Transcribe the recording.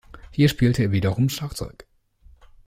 Hier spielte er wiederum Schlagzeug.